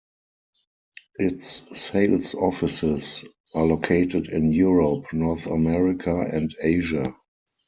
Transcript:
Its sales offices are located in Europe, North America, and Asia.